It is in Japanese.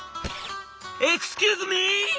「エクスキューズミー！